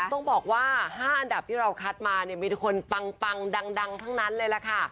ต้องบอกว่า๕อันดับที่เราคัดมาเนี่ยมีคนปังดังทั้งนั้นเลยล่ะค่ะ